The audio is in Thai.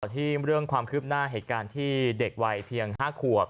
ที่เรื่องความคืบหน้าเหตุการณ์ที่เด็กวัยเพียง๕ขวบ